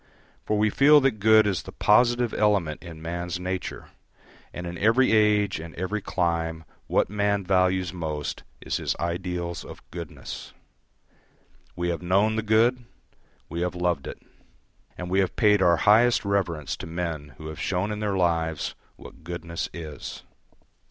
For we feel that good is the positive element in man's nature, and in every age and every clime what man values most is his ideals of goodness. We have known the good, we have loved it, and we have paid our highest reverence to men who have shown in their lives what goodness is.